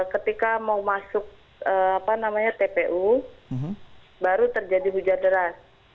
ketika mau masuk tpu baru terjadi hujan deras